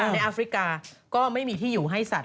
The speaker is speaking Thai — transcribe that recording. แอฟริกาก็ไม่มีที่อยู่ให้สัตว